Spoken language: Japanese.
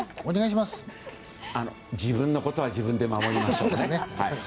自分のことは自分で守りましょう。